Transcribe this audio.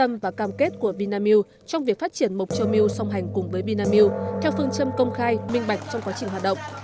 tâm và cam kết của vinamilk trong việc phát triển mộc châu milk song hành cùng với vinamilk theo phương châm công khai minh bạch trong quá trình hoạt động